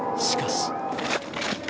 しかし。